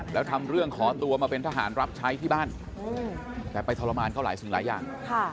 แล้วทำเรื่องขอตัวมาเป็นทหารรับใช้ที่บ้านแต่ไปทรมานเขาหลายสิ่งหลายอย่าง